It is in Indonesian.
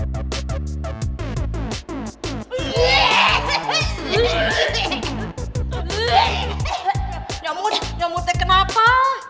nyamuk teh kenapa